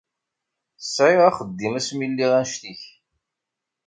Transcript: Sɛiɣ axeddim asmi lliɣ annect-ik.